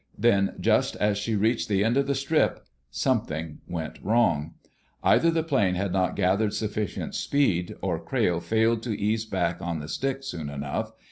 Then, just as she reached the end of the strip something went wrong. Either the plane had not gathered sufficient speed, or Crayle failed to ease back on the stick soon enough.